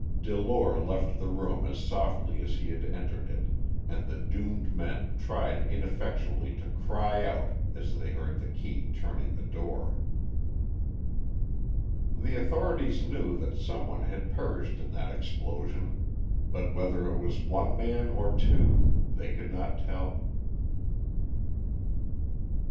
Delore left the room as softly as he had entered it, and the doomed men tried ineffectually to cry out as they heard the key turning in the door. The authorities knew that someone had perished in that explosion, but whether it was one man or two they could not tell.